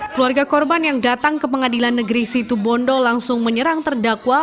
keluarga korban yang datang ke pengadilan negeri situbondo langsung menyerang terdakwa